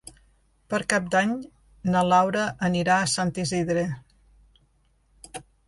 Per Cap d'Any na Laura anirà a Sant Isidre.